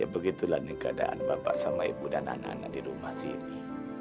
begitulah ini keadaan bapak sama ibu dan anak anak di rumah sini